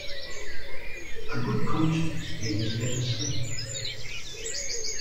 A good conscience means better sleep.